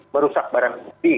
merusak barang bukti